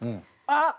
あっ！